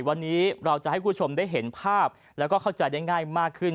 วันนี้เราจะให้คุณผู้ชมได้เห็นภาพแล้วก็เข้าใจได้ง่ายมากขึ้น